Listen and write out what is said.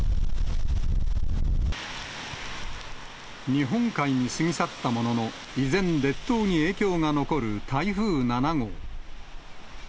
日本海に過ぎ去ったものの、依然、列島に影響が残る台風７号。